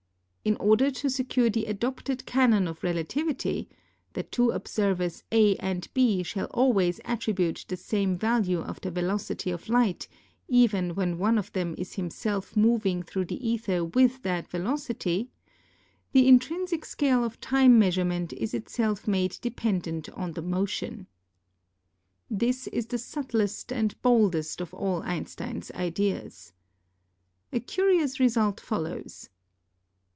In order to secure the adopted canon of relativity — that two observers A and B shall always attribute the same value to the' velocity of light, even when one of them is himself moving through the aether with that velocity — the intrinsic scale of time measurement is itself made dependent on the motion. This is the subtlest and boldest of all Einstein's ideas. A curious result follows.